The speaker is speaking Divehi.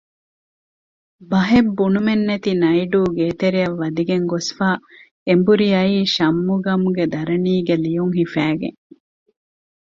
ބަހެއް ބުނުމެއް ނެތި ނައިޑޫ ގޭތެރެއަށް ވަދެގެން ގޮސްފައި އެނބުރި އައީ ޝައްމުގަމުގެ ދަރަނީގެ ލިޔުން ހިފައިގެން